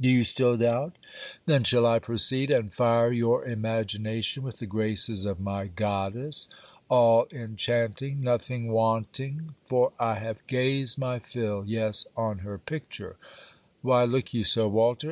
Do you still doubt? Then shall I proceed, and fire your imagination with the graces of my goddess. All enchanting! nothing wanting! for I have gazed my fill yes on her picture. Why look you so, Walter?